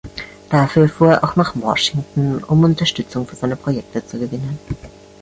Dafür fuhr er auch nach Washington, um Unterstützung für seine Projekte zu gewinnen.